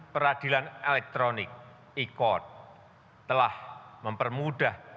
peradilan elektronik telah mempermudah